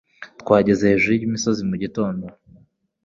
Twageze hejuru yimisozi mugitondo.